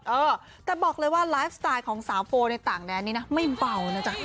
เออแต่บอกเลยว่าไลฟ์สไตล์ของสาวโฟในต่างแดนนี้นะไม่เบานะจ๊ะ